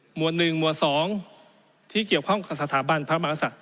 หมวดหนึ่งหมวดสองที่เกี่ยวข้องกับสถาบันพระมหากษัตริย์